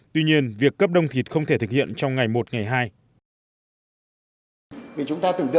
tuy nhiên việc cấp đông thịt không thể thực hiện trong ngày một ngày hai